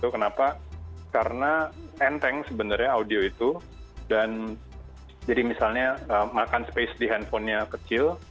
karena enteng sebenarnya audio itu dan jadi misalnya makan space di handphonenya kecil